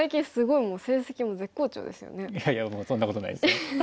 いやいやもうそんなことないですよ。